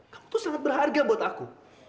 kamu tuh sangat berharga buat aku